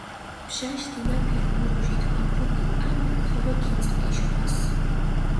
ბჟაშ დინაფილ მურუჟით გოქუნილ ამბექ ხოლო გინწყჷ ეშობას.